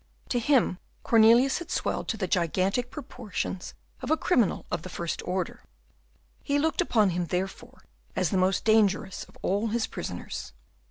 To him Cornelius had swelled to the gigantic proportions of a criminal of the first order. He looked upon him, therefore, as the most dangerous of all his prisoners.